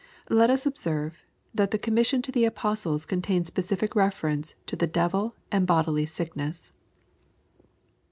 Let us observe, that the commission to the apostles contained special reference to th^^desiHand bodily sick ' ness.